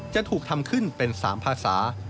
จะถูกทำขึ้นเป็น๓ภาษา